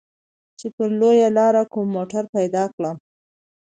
چې پر لويه لاره کوم موټر پيدا کړم.